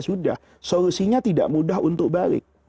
sudah solusinya tidak mudah untuk balik